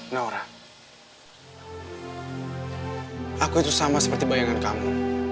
naura aku itu sama seperti bayangan kamu